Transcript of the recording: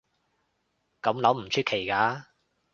噉諗唔出奇㗎